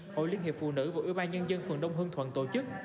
hội liên hiệp phụ nữ và ủy ban nhân dân phường đông hương thuận tổ chức